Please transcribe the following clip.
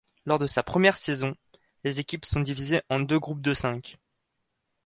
Lors de sa première saison, les équipes sont divisées en deux groupes de cinq.